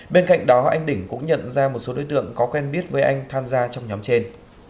bên cạnh đó anh đỉnh cũng nhận ra một số đối tượng có quen biết với anh tham gia trong nhóm trên